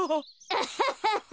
アハハハ！